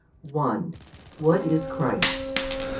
What is Christ?